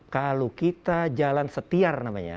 kalau kita jalan setiar namanya